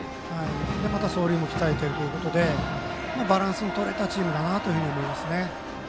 また、走塁も鍛えているということでバランスのとれたチームだなと思います。